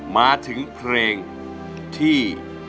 มาถึงเพลงที่